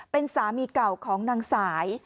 เป็นสามีเก่าของนางสาย